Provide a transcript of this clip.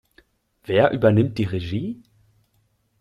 Wer übernimmt die Regie?